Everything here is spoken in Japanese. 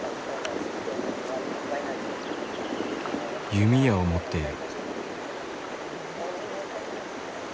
弓矢を持っている。